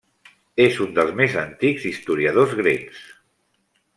És un dels més antics historiadors grecs.